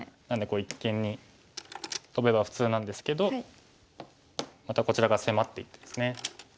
なので一間にトベば普通なんですけどまたこちらが迫っていてですね。